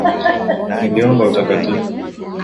Niliomba utakatifu,